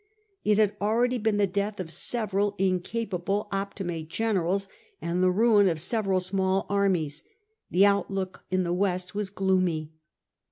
It had already been the death of several incapable Optimate generals, and the ruin of several small armies. The out look in the West was gloomy.